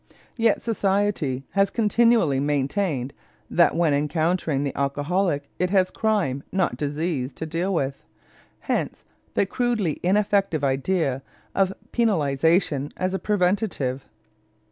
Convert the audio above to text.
Yet society has continually maintained that when encountering the alcoholic it has crime, not disease, to deal with. Hence the crudely ineffective idea of penalization as a preventive.